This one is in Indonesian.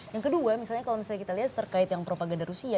yang kedua misalnya kalau misalnya kita lihat terkait yang propaganda rusia